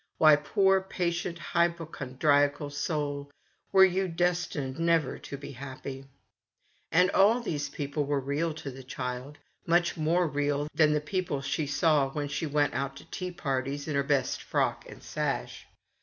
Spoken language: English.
Why, poor patient hypochondriacal soul, were you destined never to be happy ? And all these people were real to the child, much more real than the people she saw when she went out to tea parties in her best frock and sash.